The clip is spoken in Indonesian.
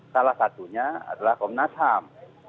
salah satunya adalah komnas ham